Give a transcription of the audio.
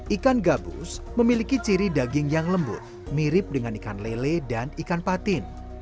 ikan gabus memiliki ciri daging yang lembut mirip dengan ikan lele dan ikan patin